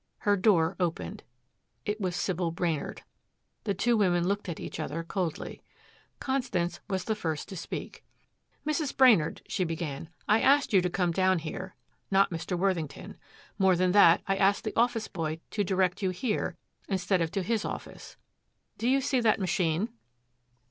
Her door opened. It was Sybil Brainard. The two women looked at each other coldly. Constance was the first to speak. "Mrs. Brainard," she began, "I asked you to come down here not Mr. Worthington. More than that, I asked the office boy to direct you here instead of to his office. Do you see that machine?"